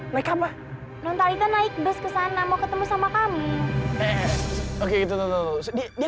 mereka apa nontarita naik bus kesana mau ketemu sama kami oke itu dia